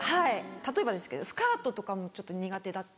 例えばですけどスカートとかもちょっと苦手だった。